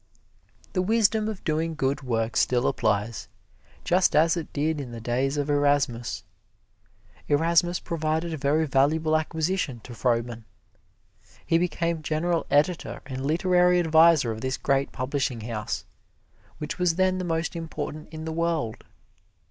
The wisdom of doing good work still applies, just as it did in the days of Erasmus. Erasmus proved a very valuable acquisition to Froben. He became general editor and literary adviser of this great publishing house, which was then the most important in the world.